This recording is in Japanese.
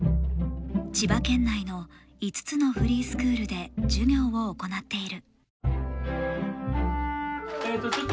千葉県内の５つのフリースクールで授業を行っている。